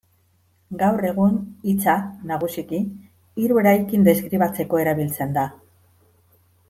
Gaur egun, hitza, nagusiki, hiru eraikin deskribatzeko erabiltzen da.